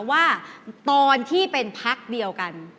ว่าตอนที่เป็นพักเดียวกัน